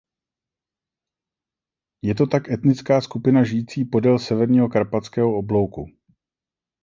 Je to tak etnická skupina žijící podél severního karpatského oblouku.